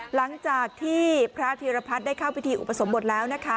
หลังจากที่พระธีรพัฒน์ได้เข้าพิธีอุปสมบทแล้วนะคะ